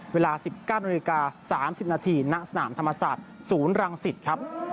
เวลา๑๙นาฬิกา๓๐นาทีณสนามธรรมศาสตร์ศูนย์รังสิตครับ